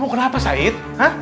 mau kenapa said